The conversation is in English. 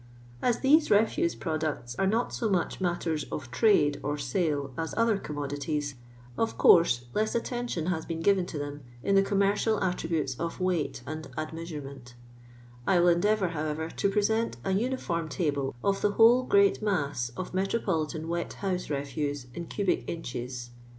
As these refuse products are not so much matters of trade or sale as other commodities, of course less attention has been given to them, in the commercial attributes of weight and admea surement I will endeavour, however, to present an uniform table of the whole great mass of me tropolitan wet house refuse in cubic inches.